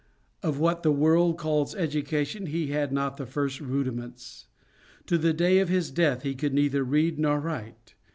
Of what the world calls education he had not the first rudiments; to the day of his death he could neither read nor write.